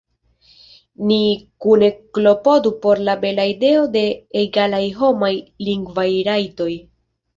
Ni kune klopodu por la bela ideo de egalaj homaj lingvaj rajtoj!